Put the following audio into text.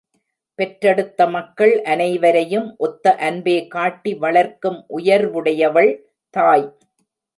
பெற்றெடுத்த மக்கள் அனைவரையும் ஒத்த அன்பே காட்டி வளர்க்கும் உயர்வுடையவள் தாய்.